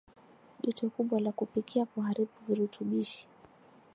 Joto kubwa la kupikia huharibu virutubishi